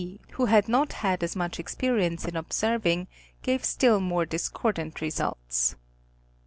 who had not had as much experience in observing, gave still more discordant results.